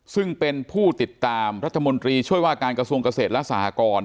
ซึ่งเป็นผู้ติดตามรัฐมนตรีช่วยว่าการกระทรวงเกษตรและสหกร